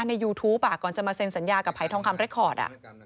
ยูทูปก่อนจะมาเซ็นสัญญากับหายทองคำเรคคอร์ด